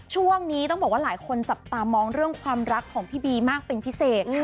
ช่วงนี้ต้องบอกว่าหลายคนจับตามองเรื่องความรักของพี่บีมากเป็นพิเศษ